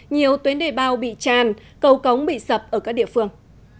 nhiều tuyến đề bao bị tràn cầu cống bị sập ở các địa phương